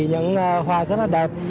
những hoa rất là đẹp